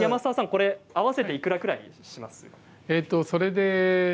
合わせていくらぐらいしますか？